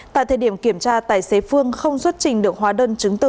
tại thời điểm kiểm tra tài xế phương không xuất trình được hóa đơn chứng từ